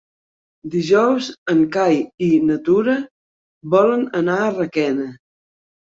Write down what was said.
Dijous en Cai i na Tura volen anar a Requena.